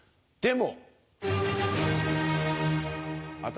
でも。